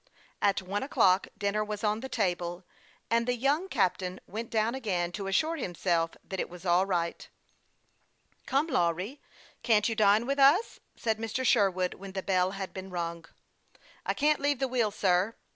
At one o'clock dinner was on the table, and the young captain went down again to assure himself that it was all right. " Come, Lawry, can't you dine with us ?" said Mr. Sherwood, when the bell had been rung. " I can't leave the wheel, sir."